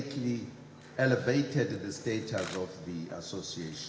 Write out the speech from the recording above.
deklarasi jakarta telah meningkatkan status asosiasi